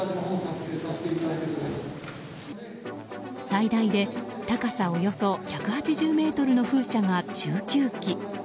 最大で高さおよそ１８０ｍの風車が、１９基。